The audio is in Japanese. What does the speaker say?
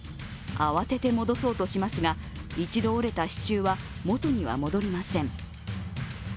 慌てて戻そうとしますが、一度折れた支柱は元には戻りません。